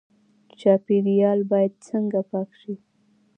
چاپیریال باید څنګه پاک شي؟